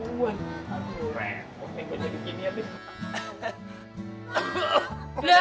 kok pengen gue jadi gini ya